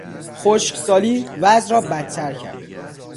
خشکسالی وضع را بدتر کرد.